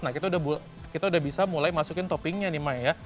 nah kita udah bisa mulai masukin toppingnya nih ma ya